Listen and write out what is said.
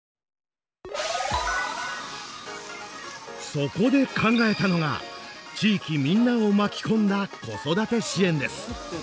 そこで考えたのが地域みんなを巻き込んだ子育て支援です。